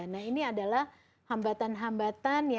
nah ini adalah hambatan hambatan yang sedikit hambatan yang lainnya